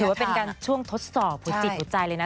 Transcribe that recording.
ถือว่าเป็นการช่วงทดสอบทริปใจเลยนะ